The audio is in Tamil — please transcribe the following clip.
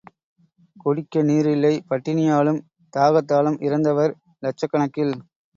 குடிக்க நீரில்லை, பட்டினியாலும் தாகத்தாலும் இறந்தவர் இலட்சக்கணக்கில்.